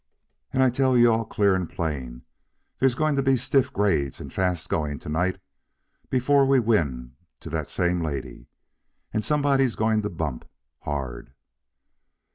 And I tell you all clear and plain there's goin' to be stiff grades and fast goin' to night before we win to that same lady. And somebody's goin' to bump...hard."